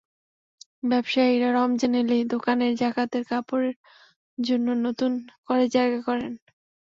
ব্যবসায়ীরা রমজান এলেই দোকানে জাকাতের কাপড়ের জন্য নতুন করে জায়গা করেন।